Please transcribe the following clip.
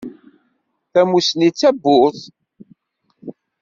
Tamussni d tawwurt.